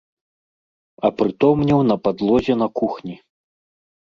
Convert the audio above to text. Апрытомнеў на падлозе на кухні.